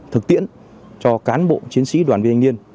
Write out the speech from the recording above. thực tiễn cho cán bộ chiến sĩ đoàn viên thanh niên